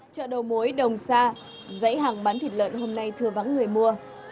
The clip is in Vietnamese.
chợ đầu mối đồng sa dãy hàng bán thịt lợn hôm nay thưa vắng người mua